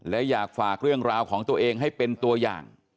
และอยากฝากเรื่องราวของตัวเองให้เป็นตัวอย่าง